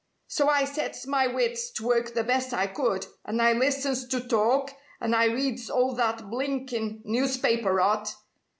So I sets my wits to work the best I could, and I listens to talk and I reads all that blinkin' newspaper rot.